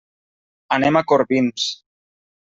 Anem a Corbins.